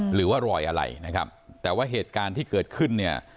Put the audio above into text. หรือว่ารอยอะไรนะครับแต่ว่าเหตุการณ์ที่เกิดขึ้นเนี่ย